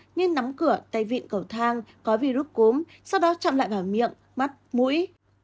nghiêng nắm cửa tay vịn cầu thang có virus cốm sau đó chạm lại vào miệng mắt mũi